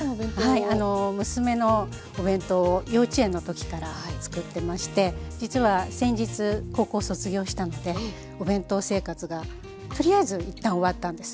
はい娘のお弁当を幼稚園の時からつくってまして実は先日高校を卒業したのでお弁当生活がとりあえず一旦終わったんです。